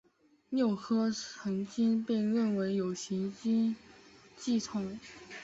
六颗恒星被认为有行星系统。